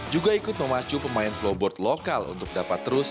juga ikut memacu pemain flowboard lokal untuk dapat terus